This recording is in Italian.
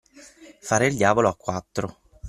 Fare il diavolo a quattro.